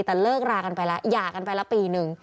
แต่เลิกรากันไปแล้วหย่ากันไปละปีนึง